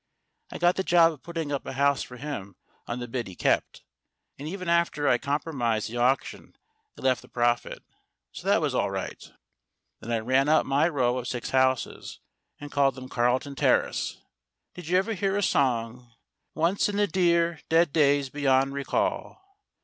I got the job of putting up a house for him on the bit he kept ; and even after I'd compromised the auction it left a profit, so that was all right. Then I ran up my row of six houses, and called SUNNIBROW 135 them Carlton Terrace. Did you ever hear a song "Once, in the dear, dead days beyond recall"?